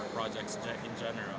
satu kita memiliki limit negara